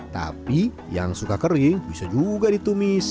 tapi yang suka kering bisa juga ditumis